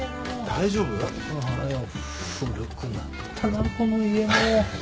大丈夫だよ。